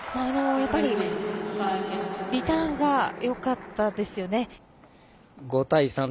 やっぱりリターンがよかったですよね。